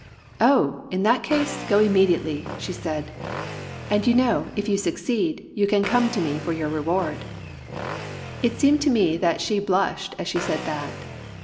Oh ! in that case, go immediately I " said she. "And you know, if you succeed, you can come to me for your reward 1 " It seemed to me that she blushed as she said that.